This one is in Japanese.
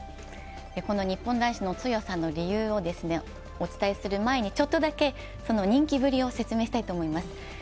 この日本男子の強さの理由をご説明する前にちょっとだけ、人気ぶりを説明したいと思います。